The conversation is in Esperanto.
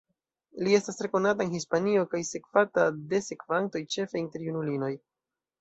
Li estas tre konata en Hispanio kaj sekvata de sekvantoj ĉefe inter junulinoj.